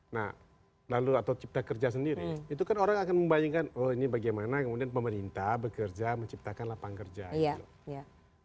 nah lalu atau cipta kerja sendiri itu kan orang akan membayangkan oh ini bagaimana kemudian pemerintah bekerja menciptakan lapangan kerja gitu loh